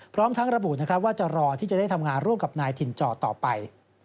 พร้อมทั้งระบุนะครับว่าจะรอที่จะได้ทำงานร่วมกับนายถิ่นจอต่อไป